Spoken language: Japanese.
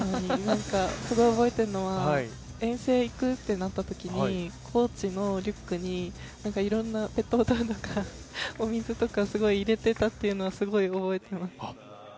すごい覚えてるのは、遠征行くってなったときにコーチのリュックにいろんな、ペットボトルとか、お水とかすごい入れてたってことをすごい覚えています。